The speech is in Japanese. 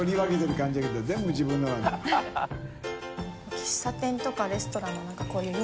喫茶店とかレストランの何かこういう凌